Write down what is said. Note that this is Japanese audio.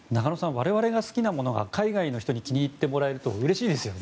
我々が好きなものが海外の人に気に入ってもらえるとうれしいですよね。